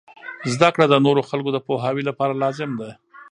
زده کړه د نورو خلکو د پوهاوي لپاره لازم دی.